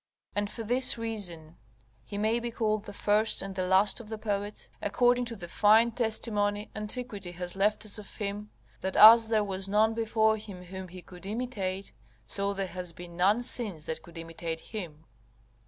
And for this reason he may be called the first and the last of the poets, according to the fine testimony antiquity has left us of him, "that as there was none before him whom he could imitate, so there has been none since that could imitate him."